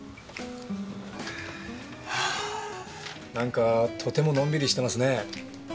はあなんかとてものんびりしてますねえ。